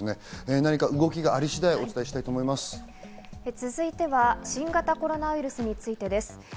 何か動きがあり次第、お伝えした続いては新型コロナウイルスについてです。